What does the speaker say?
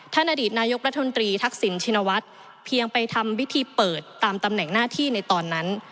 อดีตนายกรัฐมนตรีทักษิณชินวัฒน์เพียงไปทำพิธีเปิดตามตำแหน่งหน้าที่ในตอนนั้น